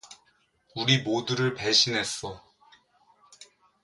우리 모두를 배신했어.